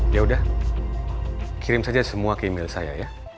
yaudah kirim saja semua ke email saya ya